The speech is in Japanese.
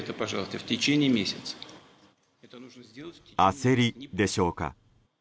焦りでしょうか。